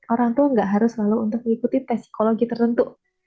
orang tua nggak harus selalu untuk mengikuti tes psikologi tertentu